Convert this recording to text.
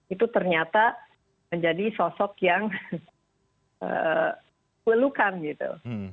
itu ternyata menjadi sosok yang lelukan gitu